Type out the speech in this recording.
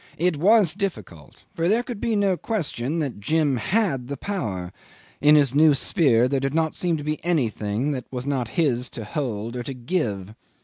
It was difficult, for there could be no question that Jim had the power; in his new sphere there did not seem to be anything that was not his to hold or to give.